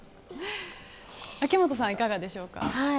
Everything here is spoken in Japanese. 秋元さんはいかがでしょうか。